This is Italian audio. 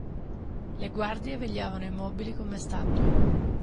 Le guardie vegliavano immobili come statue.